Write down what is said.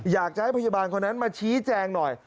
อยากจะให้พยาบาลคนนั้นมาชี้แจงหน่อย